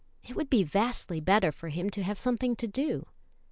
It would be vastly better for him to have something to do."